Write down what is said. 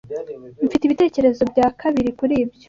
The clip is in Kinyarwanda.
Mfite ibitekerezo bya kabiri kuri ibyo.